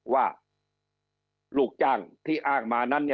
ว่าลูกจ้างที่อ้างมานั้น